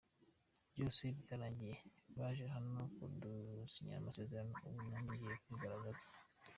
Byose byararangiye, baje hano dusinyana amasezerano ubu nanjye ngiye kwigaragaza.